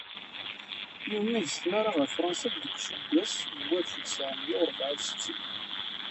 Yunag s tmara ɣer Fransa deg useggas n walef u tesεemya u rebεa u settin.